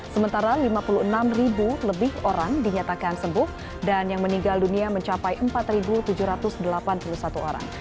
sementara lima puluh enam lebih orang dinyatakan sembuh dan yang meninggal dunia mencapai empat tujuh ratus delapan puluh satu orang